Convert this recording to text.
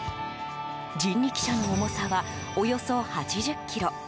人力車の重さはおよそ８０ｋｇ。